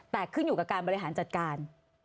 แต่ขึ้นอยู่กับการบริหารจัดการ